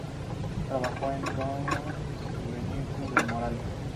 Trabajó con Toquinho y Vinícius de Moraes.